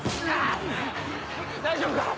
大丈夫か？